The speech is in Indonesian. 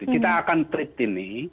kita akan treat ini